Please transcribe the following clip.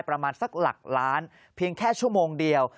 ประมาณสักหลักล้านเพียงแค่ชั่วโมงเดียว